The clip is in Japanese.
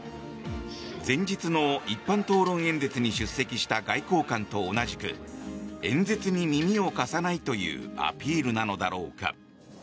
前日の一般討論演説に出席した外交官と同じく演説に耳を貸さないというアピールなのだろうか。